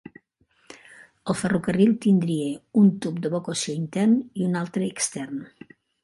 El ferrocarril tindria un tub d'evacuació intern i un altre extern.